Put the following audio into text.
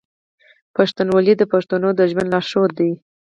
پښتونولي د پښتنو د ژوند لارښود دی.